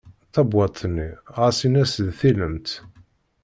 Tabewwaṭ-nni ɣas in-as d tilemt.